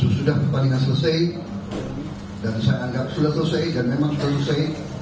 sudah pertandingan selesai dan saya anggap sudah selesai dan memang selesai